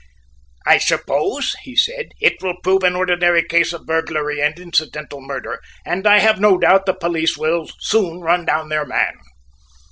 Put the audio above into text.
"I suppose," he said, "it will prove an ordinary case of burglary and incidental murder, and I have no doubt the police will soon run down their man."